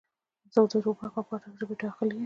زه د ټوپک او پاټک ژبې داغلی یم.